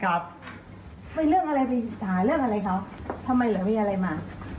ทำไมเหลือมีอะไรมา